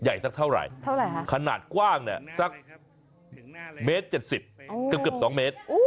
ใหญ่สักเท่าไหร่ขนาดกว้างเนี่ยถึงศูนย์๗๐เกือบ๒เมตร